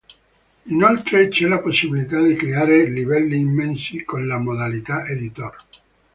Inoltre c'è la possibilità di creare livelli immensi con la modalità editor.